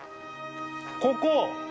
ここ！